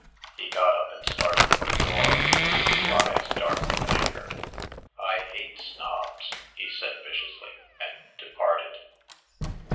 He got up and started for the door, his blue eyes dark with anger. "I hate snobs," he said viciously, and departed.